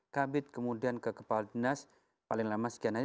kabit kemudian ke kepala dinas paling lama sekian hari